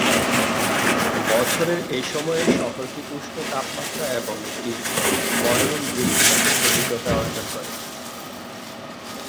বছরের এই সময়ে, শহরটি উষ্ণ তাপমাত্রা এবং একটি মনোরম বৃষ্টিপাতের অভিজ্ঞতা অর্জন করে।